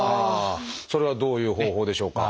それはどういう方法でしょうか？